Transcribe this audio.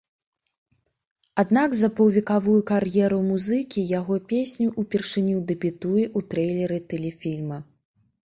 Аднак за паўвекавую кар'еру музыкі яго песня ўпершыню дэбютуе ў трэйлеры тэлефільма.